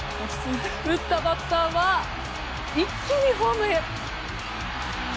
打ったバッターは一気にホームへ。